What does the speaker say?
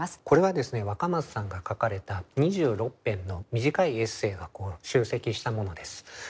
これはですね若松さんが書かれた２６編の短いエッセーが集積したものです。